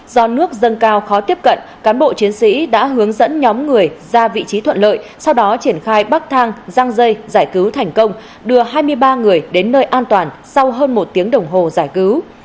do nước dâng cao khó tiếp cận cán bộ chiến sĩ đã hướng dẫn nhóm người ra vị trí thuận lợi sau đó triển khai bắc thang răng dây giải cứu thành công đưa hai mươi ba người đến nơi an toàn sau hơn một tiếng đồng hồ giải cứu